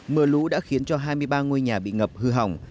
mưa lũ đã khiến cho hai mươi ba ngôi nhà bị ngập hư hỏng